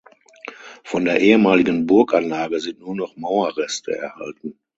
Von der ehemaligen Burganlage sind nur noch Mauerreste erhalten.